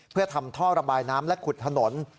เพื่อทำท่อระบายน้ำและขุดถนน